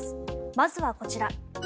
まずはこちら。